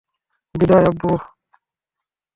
বিদায়, আব্বু।